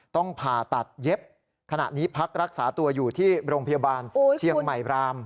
ต้องผ่าตัดเย็บขณะนี้พักรักษาตัวอยู่ที่โรงพยาบาลเชียงใหม่ราม